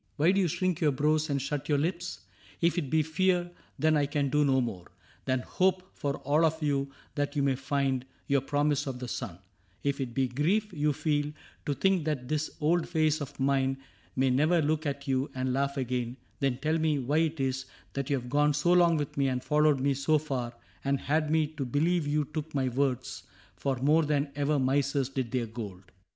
Why do you shrink your brows and shut your lips ? If it be fear, then I can do no more Than hope for all of you that you may find Your promise of the sun ; if it be grief You feel, to think that this old face of mine May never look at you and laugh again, Then tell me why it is that you have gone So long with me, and followed me so far, And had me to believe you took my words For more than ever misers did their gold